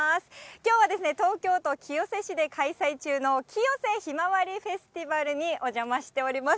きょうはですね、東京都清瀬市で開催中の清瀬ひまわりフェスティバルにお邪魔しております。